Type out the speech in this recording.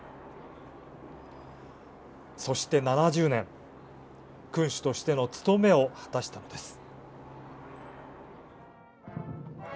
そして７０年、君主としての務めを果たしたのです。